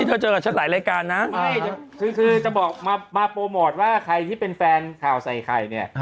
เธอเจอกับฉันหลายรายการนะคือจะบอกมาโปรโมทว่าใครที่เป็นแฟนข่าวใส่ไข่เนี่ย